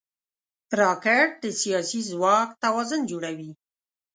راکټ د سیاسي ځواک توازن جوړوي